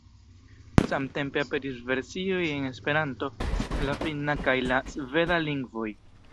Samtempe aperis versioj en Esperanto, la finna kaj la sveda lingvoj.